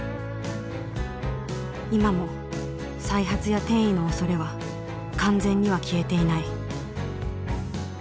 今も再発や転移のおそれは完全には消えていない。